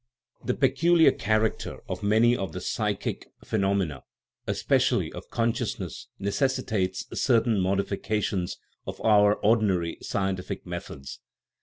The peculiar character of many of the psychic phe nomena, especially of consciousness, necessitates cer tain modifications of our ordinary scientific methods.